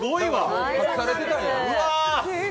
隠されてたんや。